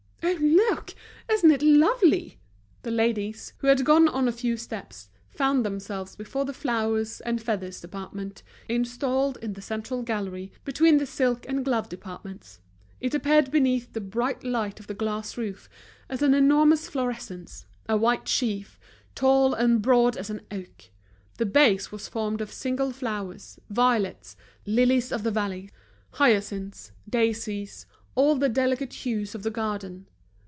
"Oh, look! isn't it lovely?" The ladies, who had gone on a few steps, found themselves before the flowers and feathers department, installed in the central gallery, between the silk and glove departments. It appeared beneath the bright light of the glass roof as an enormous florescence, a white sheaf, tall and broad as an oak. The base was formed of single flowers, violets, lilies of the valley, hyacinths, daisies, all the delicate hues of the garden.